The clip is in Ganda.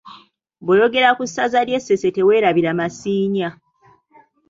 Bw’oyogera ku Ssaza ly’e Ssese teweerabira Masiinya.